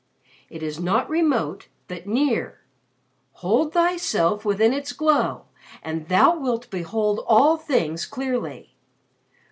It is not remote but near. Hold thyself within its glow and thou wilt behold all things clearly.